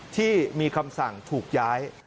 ที่มีคำสั่งถูกย้าย